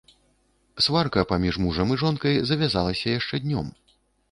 Сварка паміж мужам і жонкай завязалася яшчэ днём.